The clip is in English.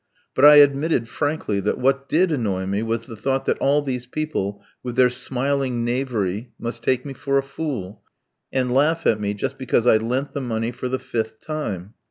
But I admitted frankly that what did annoy me was the thought that all these people, with their smiling knavery, must take me for a fool, and laugh at me just because I lent the money for the fifth time.